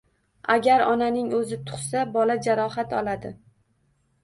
Agar onaning o`zi tug`sa, bola jarohat oladi